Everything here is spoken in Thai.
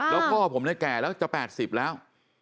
แล้วพ่อผมเนี่ยแก่แล้วจะ๘๐แล้ว